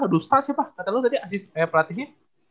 dusta siapa kata lu tadi asisten pelatihnya